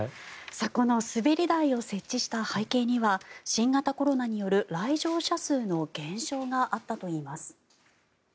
この滑り台を設置した背景には新型コロナによる来場者数の減少があったといいます。